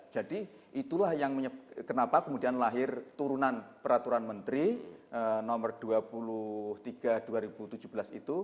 jadi itulah yang kenapa kemudian lahir turunan peraturan menteri nomor dua puluh tiga dua ribu tujuh belas itu